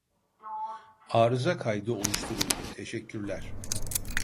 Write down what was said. Arıza kaydı oluşturuldu teşekkürler